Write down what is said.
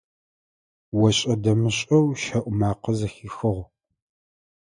ОшӀэ-дэмышӀэу щэӀу макъэ зэхихыгъ.